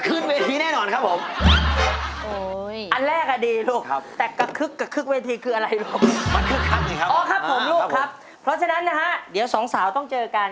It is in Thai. อ๋อครับผมลูกครับเพราะฉะนั้นนะฮะเดี๋ยวสองสาวต้องเจอกัน